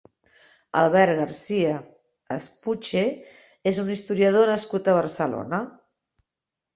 Albert Garcia Espuche és un historiador nascut a Barcelona.